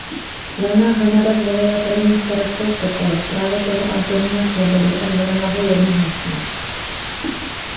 Valná hromada zvolila prvním starostou Sokola právě toho Antonína Svobodu a zvolila ho jednohlasně.